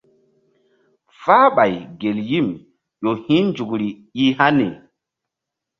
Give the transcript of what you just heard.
Fáhɓay gel yim ƴo hi̧ nzukri i hani.